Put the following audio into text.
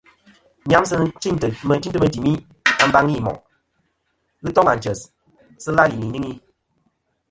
Nyamsɨ nɨ̂n chintɨ meyn timi a mbaŋi i moʼ. Ghɨ toŋ ànchès, sɨ làlì nɨ̀ ìnyɨŋi.